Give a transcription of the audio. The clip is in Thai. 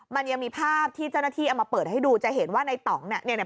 มันยังมีภาพที่เจ้าหน้าที่เอามาเปิดให้ดูจะเห็นว่าในต่องเนี่ยเนี่ย